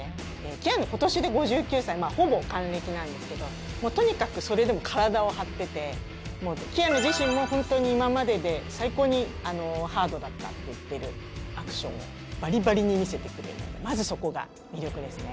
キアヌ、今年で５９歳ほぼ還暦なんですけどとにかく、それでも体を張っててキアヌ自身も今までで最高にハードだったと言ってるアクションをバリバリに見せてくれるまずそこが魅力ですね。